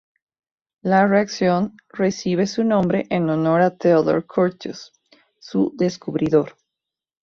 La reacción recibe su nombre en honor a Theodor Curtius, su descubridor.